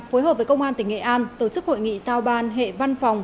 phối hợp với công an tỉnh nghệ an tổ chức hội nghị giao ban hệ văn phòng